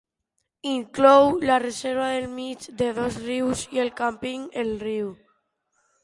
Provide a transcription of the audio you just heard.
Inclou la reserva del Mig de dos Rius i el càmping El Riu.